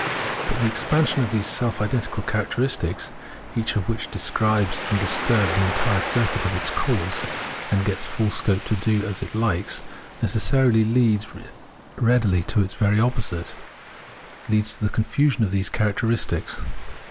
But the .expansion of these self identical characteristics, each of which describes undisturbed the entire circuit of its course, and gets full scope to do as it likes, necessarily leads as readily to its very opposite, leads to the confusion of these characteristics.